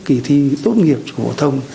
kỳ thi tốt nghiệp phổ thông